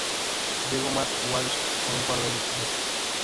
Llegó Matt Walsh por un par de meses.